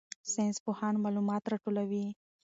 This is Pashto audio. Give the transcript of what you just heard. ساینسپوهان معلومات راټولوي.